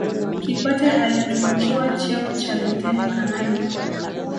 kikwete alitunukiwa cheo cha luteni kanali